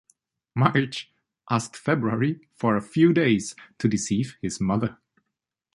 March asked February for a few days, to deceive his mother.